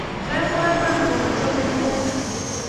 Memwa iman komochome inendet